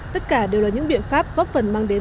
tất cả đều là những biện pháp góp phần mang đến